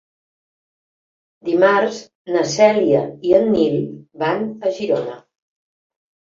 Dimarts na Cèlia i en Nil van a Girona.